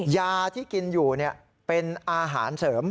ยาที่กินอยู่เป็นอาหารเสริม